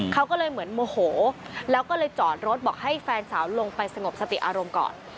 เขาก็เลยเหมือนโมโหแล้วก็เลยจอดรถบอกให้แฟนสาวลงไปสงบสติอารมณ์ก่อน